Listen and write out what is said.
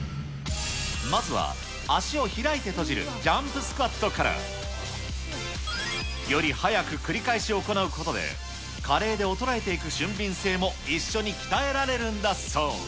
まずは足を開いて閉じるジャンプスクワットから。より速く繰り返し行うことで、加齢で衰えていく俊敏性も一緒に鍛えられるんだそう。